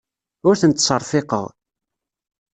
Ur ten-ttserfiqeɣ.